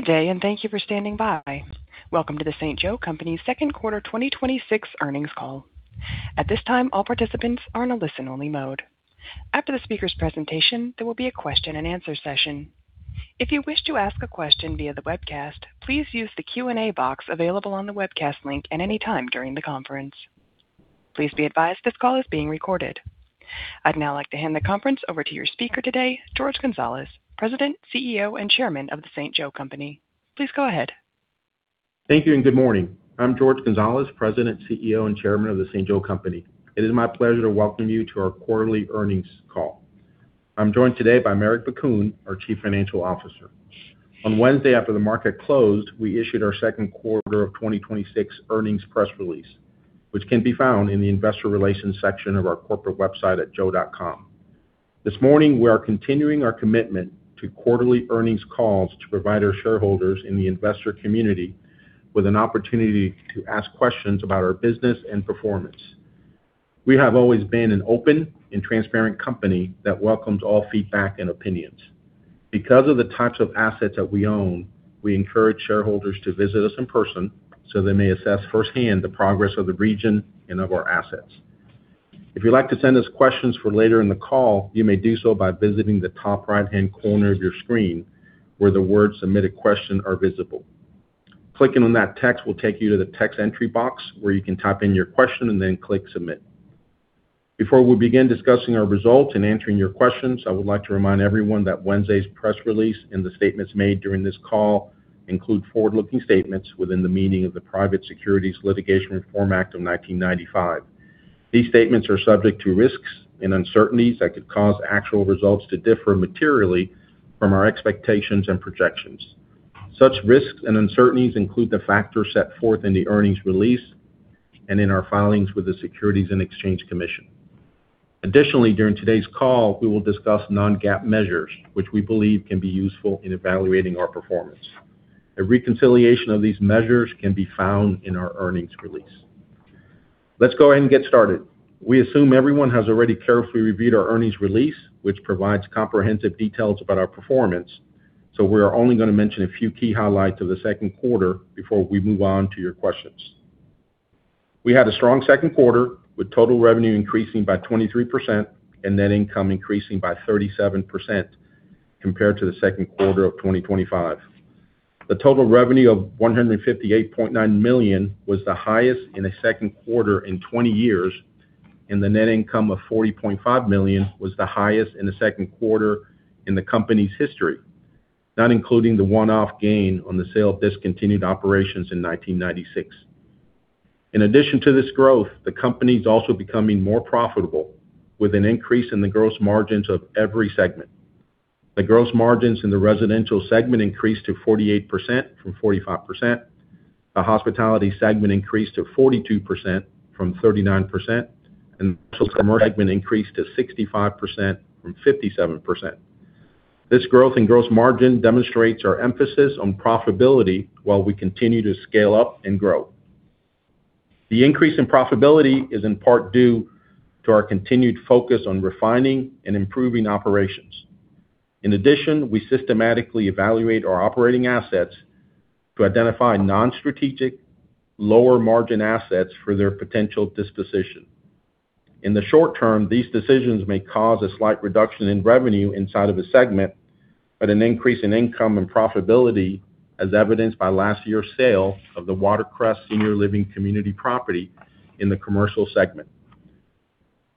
Good day, and thank you for standing by. Welcome to The St. Joe Company Second Quarter 2026 Earnings Call. At this time, all participants are in a listen-only mode. After the speaker's presentation, there will be a question-and-answer session. If you wish to ask a question via the webcast, please use the Q&A box available on the webcast link at any time during the conference. Please be advised this call is being recorded. I'd now like to hand the conference over to your speaker today, Jorge Gonzalez, President, CEO, and Chairman of The St. Joe Company. Please go ahead. Thank you and good morning. I'm Jorge Gonzalez, President, CEO, and Chairman of The St. Joe Company. It is my pleasure to welcome you to our quarterly earnings call. I'm joined today by Marek Bakun, our Chief Financial Officer. On Wednesday, after the market closed, we issued our second quarter of 2026 earnings press release, which can be found in the Investor Relations section of our corporate website at joe.com. This morning, we are continuing our commitment to quarterly earnings calls to provide our shareholders in the investor community with an opportunity to ask questions about our business and performance. We have always been an open and transparent company that welcomes all feedback and opinions. Because of the types of assets that we own, we encourage shareholders to visit us in person so they may assess firsthand the progress of the region and of our assets. If you'd like to send us questions for later in the call, you may do so by visiting the top right-hand corner of your screen, where the words "Submit a question" are visible. Clicking on that text will take you to the text entry box, where you can type in your question and then click submit. Before we begin discussing our results and answering your questions, I would like to remind everyone that Wednesday's press release and the statements made during this call include forward-looking statements within the meaning of the Private Securities Litigation Reform Act of 1995. These statements are subject to risks and uncertainties that could cause actual results to differ materially from our expectations and projections. Such risks and uncertainties include the factors set forth in the earnings release and in our filings with the Securities and Exchange Commission. Additionally, during today's call, we will discuss non-GAAP measures, which we believe can be useful in evaluating our performance. A reconciliation of these measures can be found in our earnings release. Let's go ahead and get started. We assume everyone has already carefully reviewed our earnings release, which provides comprehensive details about our performance, so we are only going to mention a few key highlights of the second quarter before we move on to your questions. We had a strong second quarter, with total revenue increasing by 23% and net income increasing by 37% compared to the second quarter of 2025. The total revenue of $158.9 million was the highest in a second quarter in 20 years, and the net income of $40.5 million was the highest in the second quarter in the company's history, not including the one-off gain on the sale of discontinued operations in 1996. In addition to this growth, the company's also becoming more profitable, with an increase in the gross margins of every segment. The gross margins in the residential segment increased to 48% from 45%. The hospitality segment increased to 42% from 39%, and the commercial segment increased to 65% from 57%. This growth in gross margin demonstrates our emphasis on profitability while we continue to scale up and grow. The increase in profitability is in part due to our continued focus on refining and improving operations. In addition, we systematically evaluate our operating assets to identify non-strategic, lower-margin assets for their potential disposition. In the short term, these decisions may cause a slight reduction in revenue inside of a segment, but an increase in income and profitability, as evidenced by last year's sale of the Watercrest Senior Living community property in the commercial segment.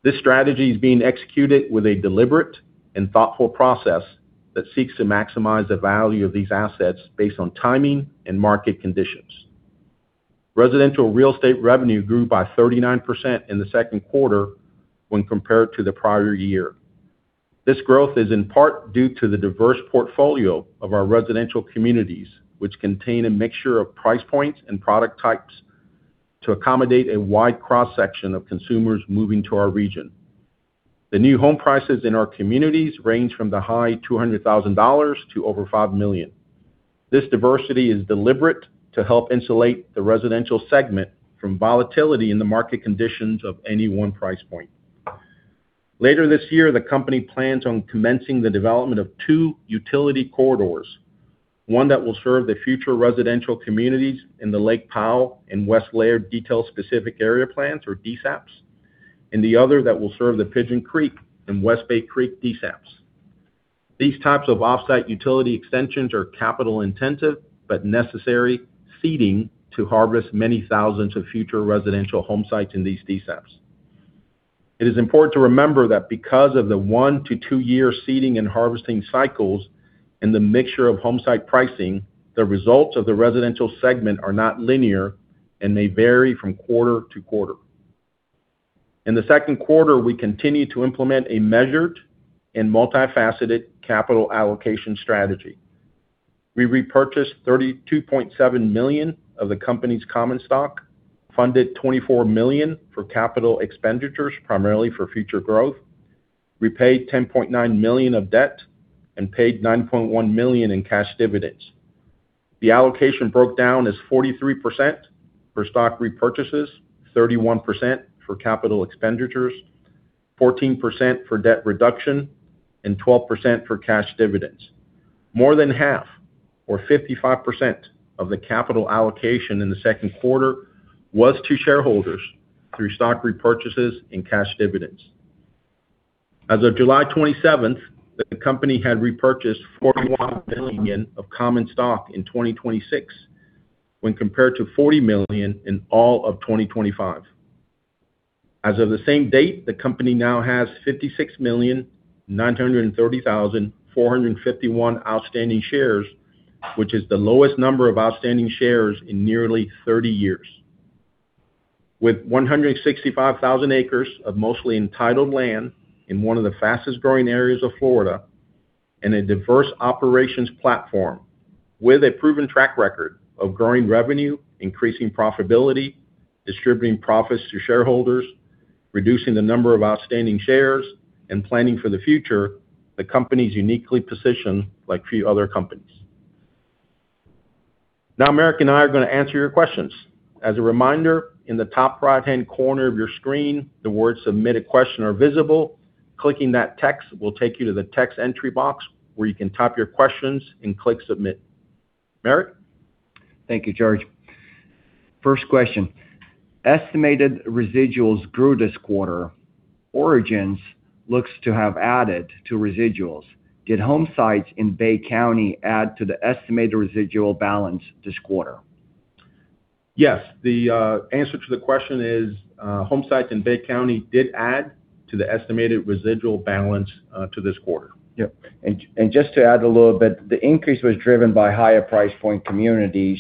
This strategy is being executed with a deliberate and thoughtful process that seeks to maximize the value of these assets based on timing and market conditions. Residential real estate revenue grew by 39% in the second quarter when compared to the prior year. This growth is in part due to the diverse portfolio of our residential communities, which contain a mixture of price points and product types to accommodate a wide cross-section of consumers moving to our region. The new home prices in our communities range from the high $200,000 to over $5 million. This diversity is deliberate to help insulate the residential segment from volatility in the market conditions of any one price point. Later this year, the company plans on commencing the development of two utility corridors, one that will serve the future residential communities in the Lake Powell and West Laird Detailed Specific Area Plans, or DSAPs, and the other that will serve the Pigeon Creek and West Bay Creek DSAPs. These types of off-site utility extensions are capital intensive but necessary seeding to harvest many thousands of future residential home sites in these DSAPs. It is important to remember that because of the one to two-year seeding and harvesting cycles and the mixture of home site pricing, the results of the residential segment are not linear and may vary from quarter-to-quarter. In the second quarter, we continued to implement a measured and multifaceted capital allocation strategy. We repurchased $32.7 million of the company's common stock, funded $24 million for capital expenditures, primarily for future growth, repaid $10.9 million of debt, and paid $9.1 million in cash dividends. The allocation broke down as 43% for stock repurchases, 31% for capital expenditures, 14% for debt reduction, and 12% for cash dividends. More than half, or 55%, of the capital allocation in the second quarter was to shareholders through stock repurchases and cash dividends. As of July 27th, the company had repurchased $41 million of common stock in 2026, when compared to $40 million in all of 2025. As of the same date, the company now has 56,930,451 outstanding shares, which is the lowest number of outstanding shares in nearly 30 years. With 165,000 acres of mostly entitled land in one of the fastest-growing areas of Florida and a diverse operations platform with a proven track record of growing revenue, increasing profitability, distributing profits to shareholders, reducing the number of outstanding shares, and planning for the future, the company's uniquely positioned like few other companies. Marek and I are going to answer your questions. As a reminder, in the top right-hand corner of your screen, the words "Submit a Question" are visible. Clicking that text will take you to the text entry box where you can type your questions and click submit. Marek? Thank you, Jorge. First question. Estimated residuals grew this quarter. Origins looks to have added to residuals. Did homesites in Bay County add to the estimated residual balance this quarter? Yes. The answer to the question is, homesites in Bay County did add to the estimated residual balance to this quarter. Yep. Just to add a little bit, the increase was driven by higher price point communities.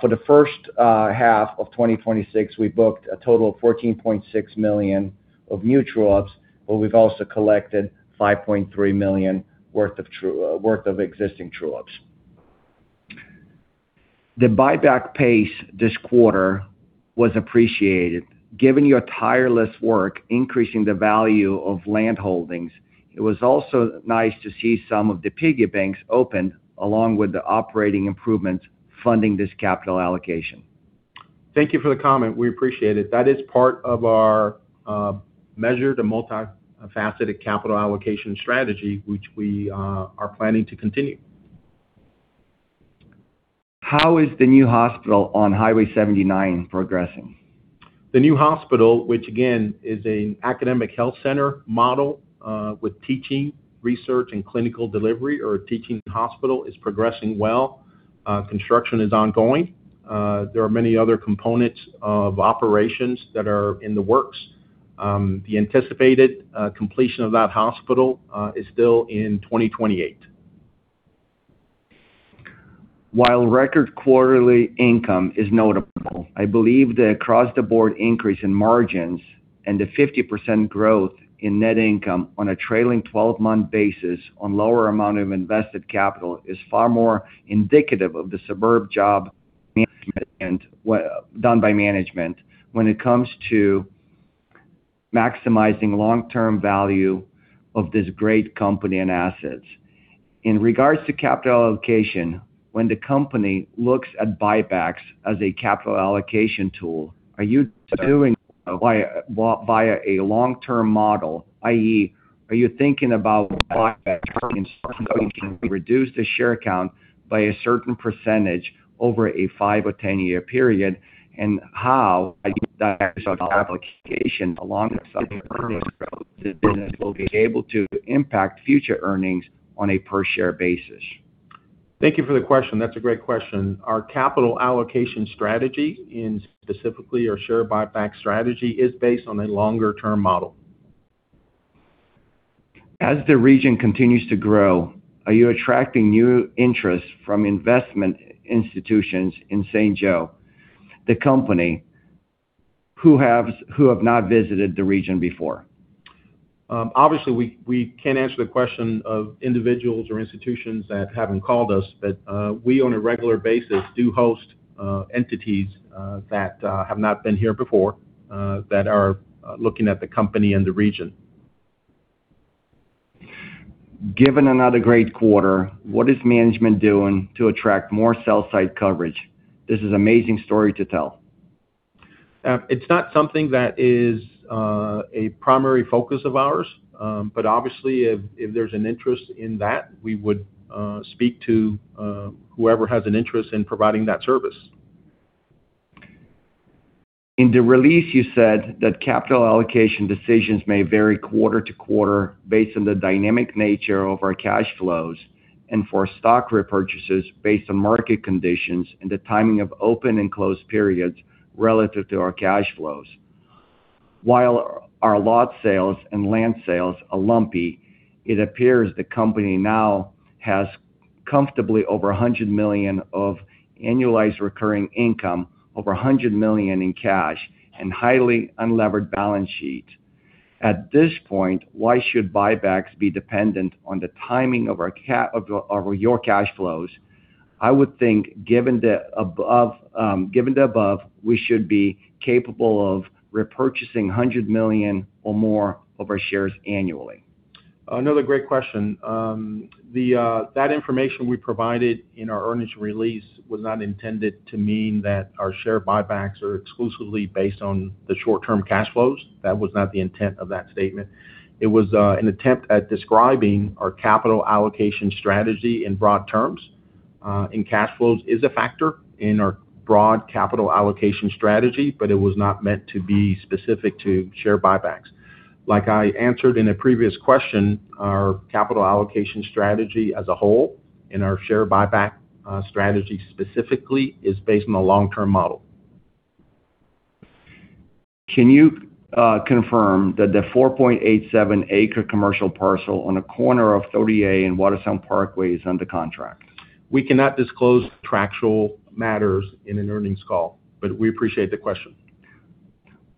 For the first half of 2026, we booked a total of $14.6 million of new true-ups, but we've also collected $5.3 million worth of existing true-ups. The buyback pace this quarter was appreciated. Given your tireless work increasing the value of land holdings, it was also nice to see some of the piggie banks open, along with the operating improvements funding this capital allocation. Thank you for the comment. We appreciate it. That is part of our measured and multifaceted capital allocation strategy, which we are planning to continue. How is the new hospital on Highway 79 progressing? The new hospital, which again, is an academic health center model, with teaching, research, and clinical delivery, or a teaching hospital, is progressing well. Construction is ongoing. There are many other components of operations that are in the works. The anticipated completion of that hospital is still in 2028. While record quarterly income is notable, I believe the across-the-board increase in margins and the 50% growth in net income on a trailing 12-month basis on lower amount of invested capital is far more indicative of the superb job done by management when it comes to maximizing long-term value of this great company and assets. In regards to capital allocation, when the company looks at buybacks as a capital allocation tool, are you doing so via a long-term model, i.e., are you thinking about buybacks in terms of can we reduce the share count by a certain percentage over a five or 10-year period? How you use that capital allocation along with subsequent earnings growth of the business will be able to impact future earnings on a per-share basis. Thank you for the question. That's a great question. Our capital allocation strategy, specifically our share buyback strategy, is based on a longer-term model. As the region continues to grow, are you attracting new interest from investment institutions in St. Joe, the company, who have not visited the region before? Obviously we can't answer questions on individual institutions that haven't called us. We, on a regular basis, do host entities that have not been here before, that are looking at the company and the region. Given another great quarter, what is management doing to attract more sell side coverage? This is amazing story to tell. It's not something that is a primary focus of ours. Obviously, if there's an interest in that, we would speak to whoever has an interest in providing that service. In the release, you said that capital allocation decisions may vary quarter-to-quarter based on the dynamic nature of our cash flows and for stock repurchases based on market conditions and the timing of open and close periods relative to our cash flows. While our lot sales and land sales are lumpy, it appears the company now has comfortably over $100 million of annualized recurring income, over $100 million in cash, and highly unlevered balance sheet. At this point, why should buybacks be dependent on the timing of your cash flows? I would think, given the above, we should be capable of repurchasing $100 million or more of our shares annually. Another great question. That information we provided in our earnings release was not intended to mean that our share buybacks are exclusively based on the short-term cash flows. That was not the intent of that statement. It was an attempt at describing our capital allocation strategy in broad terms, cash flows is a factor in our broad capital allocation strategy, it was not meant to be specific to share buybacks. Like I answered in a previous question, our capital allocation strategy as a whole, and our share buyback strategy specifically, is based on a long-term model. Can you confirm that the 4.87 acres commercial parcel on the corner of 30A and Watersound Parkway is under contract? We cannot disclose contractual matters in an earnings call, but we appreciate the question.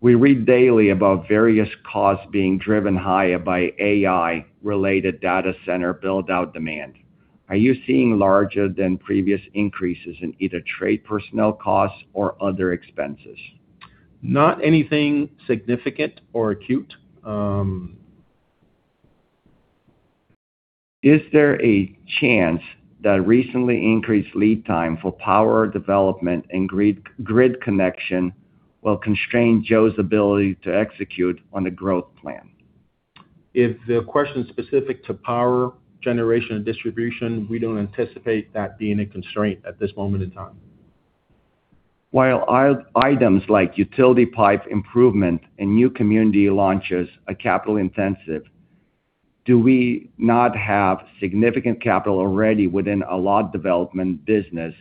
We read daily about various costs being driven higher by AI-related data center build-out demand. Are you seeing larger than previous increases in either trade personnel costs or other expenses? Not anything significant or acute. Is there a chance that recently increased lead time for power development and grid connection will constrain Joe's ability to execute on the growth plan? If the question's specific to power generation and distribution, we don't anticipate that being a constraint at this moment in time. While items like utility pipe improvement and new community launches are capital intensive, do we not have significant capital already within a lot development business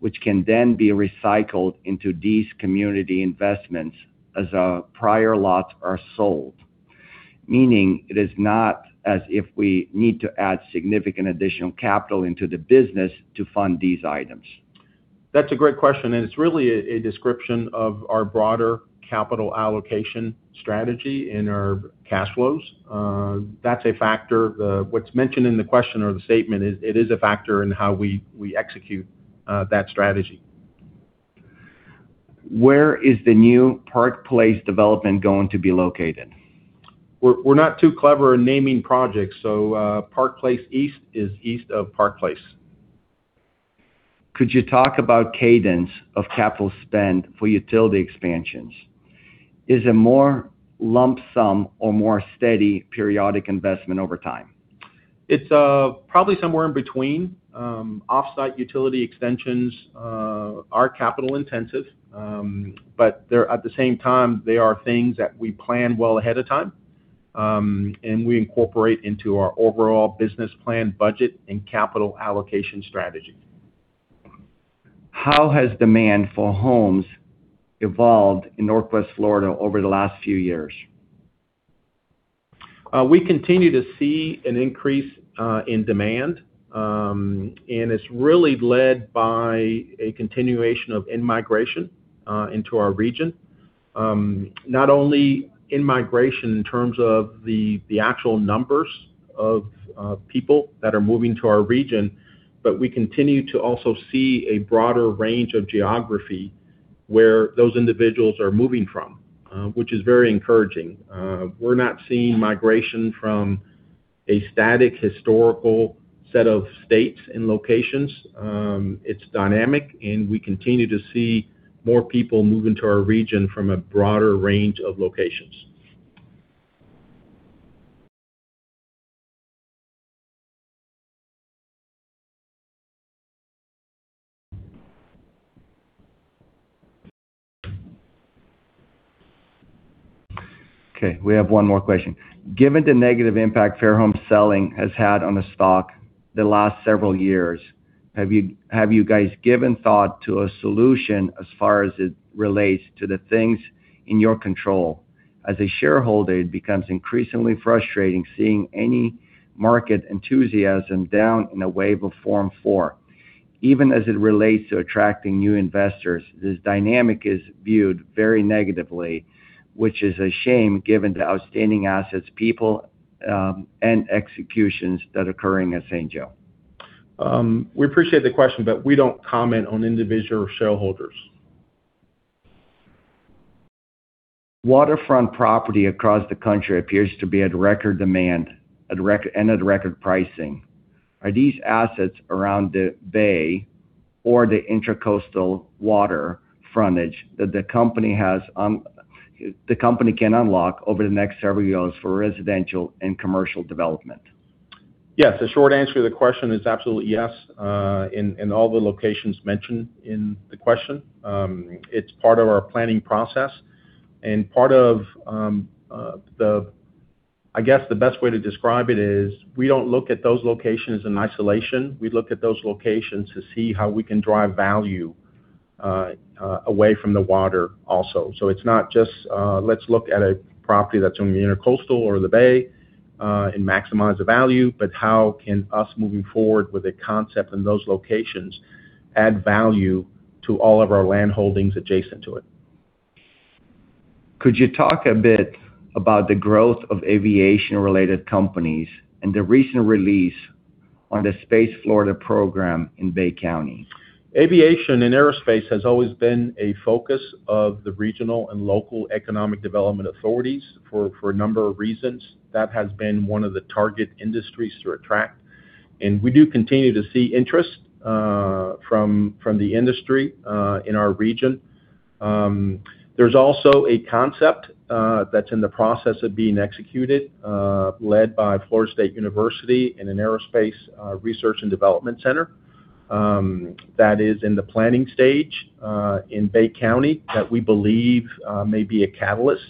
which can then be recycled into these community investments as our prior lots are sold? Meaning, it is not as if we need to add significant additional capital into the business to fund these items. That's a great question, and it's really a description of our broader capital allocation strategy in our cash flows. That's a factor. What's mentioned in the question or the statement, it is a factor in how we execute that strategy. Where is the new Park Place development going to be located? We're not too clever in naming projects. Park Place East is east of Park Place. Could you talk about cadence of capital spend for utility expansions? Is it more lump sum or more steady periodic investment over time? It's probably somewhere in between. Off-site utility extensions are capital intensive, but at the same time, they are things that we plan well ahead of time, and we incorporate into our overall business plan, budget, and capital allocation strategy. How has demand for homes evolved in Northwest Florida over the last few years? We continue to see an increase in demand, it's really led by a continuation of in-migration into our region. Not only in-migration in terms of the actual numbers of people that are moving to our region, we continue to also see a broader range of geography where those individuals are moving from, which is very encouraging. We're not seeing migration from a static historical set of states and locations. It's dynamic, we continue to see more people move into our region from a broader range of locations. Okay. We have one more question. Given the negative impact Fairholme selling has had on the stock the last several years, have you guys given thought to a solution as far as it relates to the things in your control? As a shareholder, it becomes increasingly frustrating seeing any market enthusiasm down in a wave of Form 4. Even as it relates to attracting new investors, this dynamic is viewed very negatively, which is a shame given the outstanding assets, people, and executions that are occurring at St. Joe. We appreciate the question, we don't comment on individual shareholders. Waterfront property across the country appears to be at record demand at record pricing. Are these assets around the bay or the intracoastal water frontage that the company can unlock over the next several years for residential and commercial development? Yes. The short answer to the question is absolutely yes. In all the locations mentioned in the question, it's part of our planning process and part of the I guess the best way to describe it is we don't look at those locations in isolation. We look at those locations to see how we can drive value away from the water also. It's not just let's look at a property that's on the intracoastal or the bay, and maximize the value, but how can us moving forward with a concept in those locations add value to all of our land holdings adjacent to it? Could you talk a bit about the growth of aviation-related companies and the recent release on the Space Florida program in Bay County. Aviation and aerospace has always been a focus of the regional and local economic development authorities for a number of reasons. That has been one of the target industries to attract, and we do continue to see interest from the industry in our region. There's also a concept that's in the process of being executed, led by Florida State University in an aerospace research and development center that is in the planning stage in Bay County that we believe may be a catalyst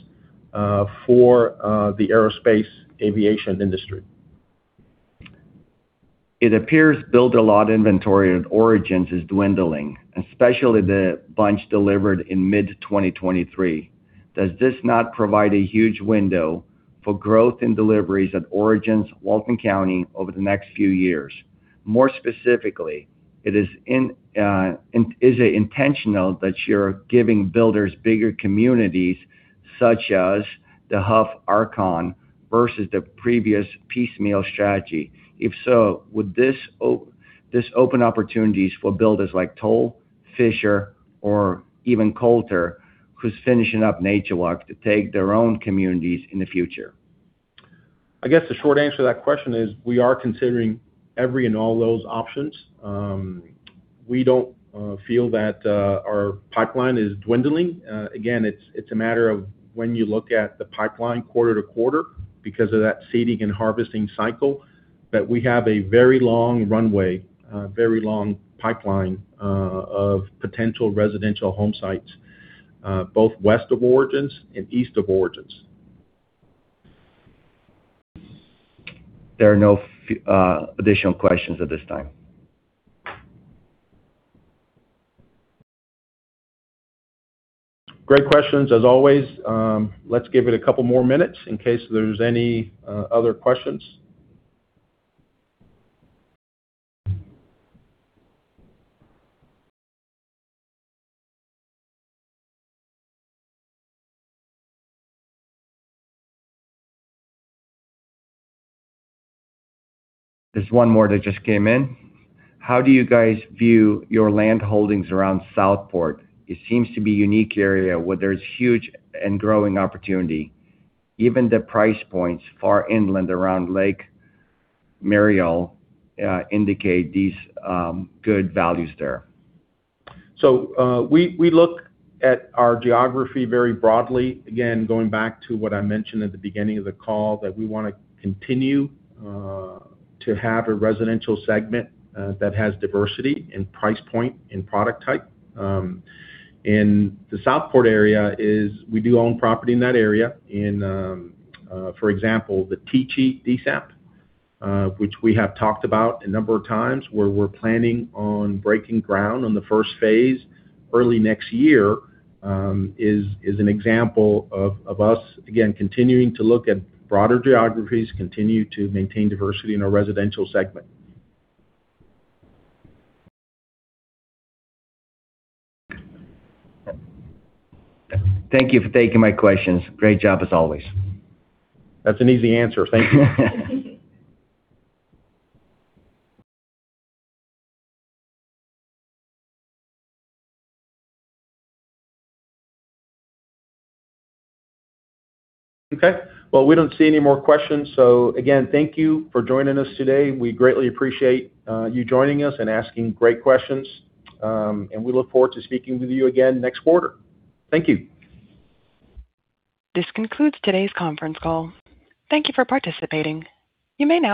for the aerospace aviation industry. It appears build-to-lot inventory at Origins is dwindling, especially the bunch delivered in mid-2023. Does this not provide a huge window for growth in deliveries at Origins, Walton County over the next few years? More specifically, is it intentional that you're giving builders bigger communities such as the [Huff/Arkon] versus the previous piecemeal strategy? If so, would this open opportunities for builders like Toll, Fischer, or even Kolter, who's finishing up NatureWalk, to take their own communities in the future? I guess the short answer to that question is we are considering every and all those options. We don't feel that our pipeline is dwindling. It's a matter of when you look at the pipeline quarter-to-quarter because of that seeding and harvesting cycle, that we have a very long runway, a very long pipeline of potential residential home sites, both west of Origins and east of Origins. There are no additional questions at this time. Great questions as always. Let's give it a couple more minutes in case there's any other questions. There's one more that just came in. How do you guys view your land holdings around Southport? It seems to be a unique area where there's huge and growing opportunity. Even the price points far inland around Lake Merial indicate these good values there. We look at our geography very broadly. Again, going back to what I mentioned at the beginning of the call, that we want to continue to have a residential segment that has diversity in price point and product type. In the Southport area, we do own property in that area. For example, the Ticheli DSAP, which we have talked about a number of times, where we are planning on breaking ground on the first phase early next year, is an example of us, again, continuing to look at broader geographies, continue to maintain diversity in our residential segment. Thank you for taking my questions. Great job as always. That is an easy answer. Thank you. Okay. Well, we do not see any more questions. Again, thank you for joining us today. We greatly appreciate you joining us and asking great questions. We look forward to speaking with you again next quarter. Thank you. This concludes today's conference call. Thank you for participating. You may now disconnect.